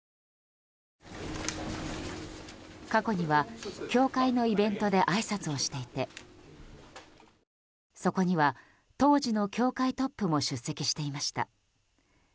過去には、教会のイベントであいさつをしていてそこには当時の教会トップも出席していました。